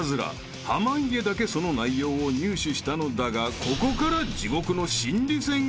［濱家だけその内容を入手したのだがここから］